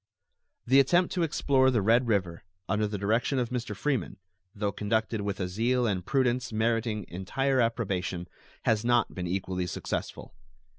The attempt to explore the Red River, under the direction of Mr. Freeman, though conducted with a zeal and prudence meriting entire approbation, has not been equally successful.